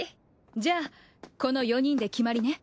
じゃあこの４人で決まりね。